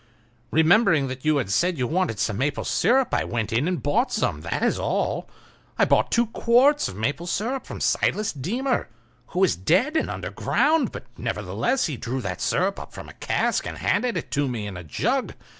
Remembering that you had said you wanted some maple sirup, I went in and bought some—that is all—I bought two quarts of maple sirup from Silas Deemer, who is dead and underground, but nevertheless drew that sirup from a cask and handed it to me in a jug.